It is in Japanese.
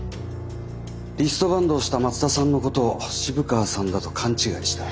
リストバンドをした松田さんのことを渋川さんだと勘違いした。